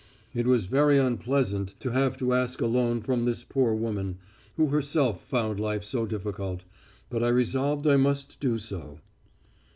"It was very unpleasant to have to ask a loan from this poor woman, who herself found life so difficult, but I resolved I must do so.